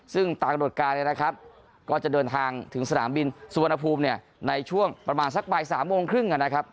ซึ่งตามกำหนดการเนี่ยนะครับก็จะเดินทางถึงสนามบินสุวรรณภูมิในช่วงประมาณสักบ่าย๓โมงครึ่งนะครับ